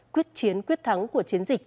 quyết chiến quyết thắng của chiến dịch